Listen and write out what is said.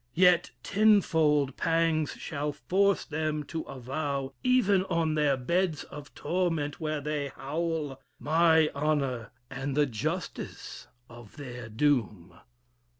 Yet tenfold pangs shall force them to avow, Even on their beds of torment, where they howl, My honor, and the justice of their doom.